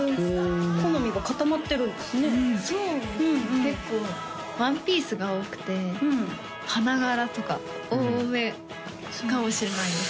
結構ワンピースが多くて花柄とか多めかもしれないです